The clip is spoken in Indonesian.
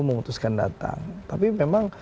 memutuskan datang tapi memang